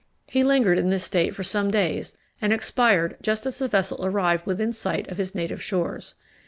He lingered in this state for some days, and expired just as the vessel arrived within sight of his native shores.